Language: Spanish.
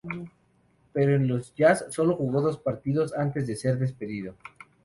Pero en los Jazz sólo jugó dos partidos antes de ser despedido.